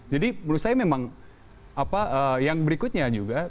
jadi menurut saya memang apa yang berikutnya juga